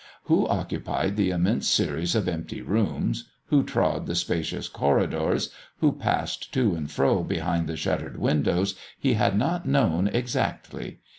Who occupied the immense series of empty rooms, who trod the spacious corridors, who passed to and fro behind the shuttered windows, he had not known exactly.